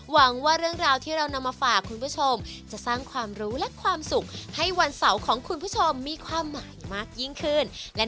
หวังว่าเรื่องราวที่เรานำมาฝากคุณผู้ชมจะสร้างความรู้และความสุขให้วันเสาร์ของคุณผู้ชมมีความหมายมากยิ่งขึ้น